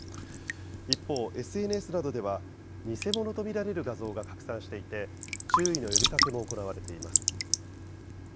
一方、ＳＮＳなどでは、偽物と見られる画像が拡散していて、注意の呼びかけも行われています。